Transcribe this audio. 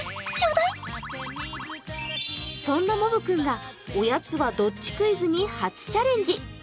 そんなモブ君が、おやつはどっちクイズに初チャレンジ。